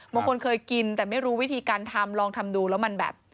บางคนเคยกินแต่ไม่รู้วิธีการทำลองทำดูแล้วมันแบบ